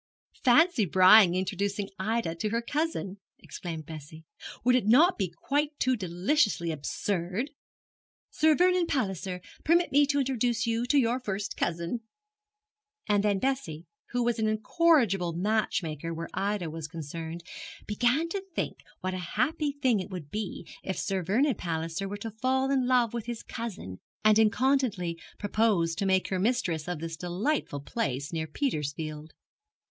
'Fancy Brian introducing Ida to her cousin!' exclaimed Bessie. 'Would it not be quite too deliciously absurd? "Sir Vernon Palliser, permit me to introduce you to your first cousin!" And then Bessie, who was an incorrigible matchmaker where Ida was concerned, began to think what a happy thing it would be if Sir Vernon Palliser were to fall in love with his cousin, and incontinently propose to make her mistress of this delightful place near Petersfield.